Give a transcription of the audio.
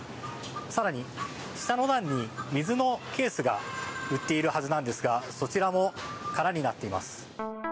更に、下の段に水のケースが売ってるはずなんですがそちらも空になっています。